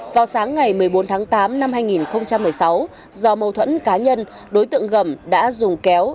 vào sáng ngày một mươi bốn tháng tám năm hai nghìn một mươi sáu do mâu thuẫn cá nhân đối tượng gầm đã dùng kéo